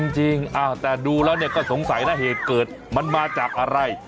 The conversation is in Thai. จริงแต่ดูแล้วก็สงสัยนะเหตุเกิดมันมาจากอะไร